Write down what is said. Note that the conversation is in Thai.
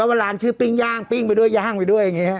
ว่าร้านชื่อปิ้งย่างปิ้งไปด้วยย่างไปด้วยอย่างนี้